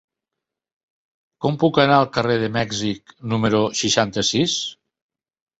Com puc anar al carrer de Mèxic número seixanta-sis?